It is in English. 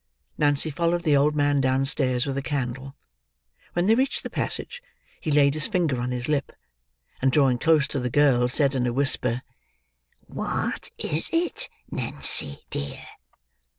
Nancy followed the old man downstairs, with a candle. When they reached the passage, he laid his finger on his lip, and drawing close to the girl, said, in a whisper. "What is it, Nancy, dear?"